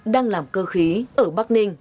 đang làm cơ khí ở bắc ninh